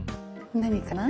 何かなぁ？